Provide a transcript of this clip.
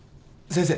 先生。